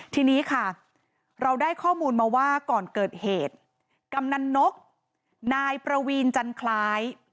ทีนี้ค่ะเราได้ข้อมูลมาว่าก่อนเกิดเหตุกำนันนกนายประวีนจันคล้าย